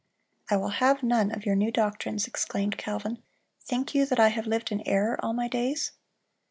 "I will have none of your new doctrines," exclaimed Calvin; "think you that I have lived in error all my days?"